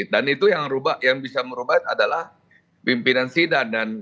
dan itu yang bisa dirubah adalah pimpinan sidan